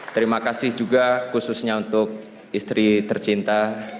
terima kasih juga khususnya untuk istri tercinta